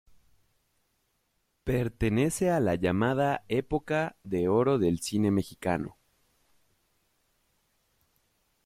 Pertenece a la llamada Época de oro del cine mexicano.